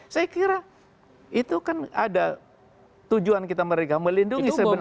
saya kira itu kan ada tujuan kita mereka melindungi sebenarnya